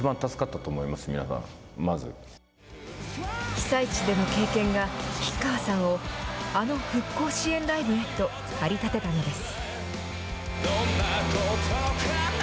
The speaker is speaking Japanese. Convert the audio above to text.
被災地での経験が、吉川さんをあの復興支援ライブへと駆り立てたのです。